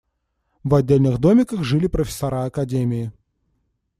В отдельных домиках жили профессора академии.